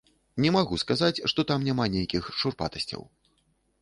Не магу сказаць, што там няма нейкіх шурпатасцяў.